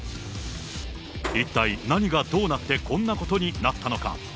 一体何がどうなって、こんなことになったのか。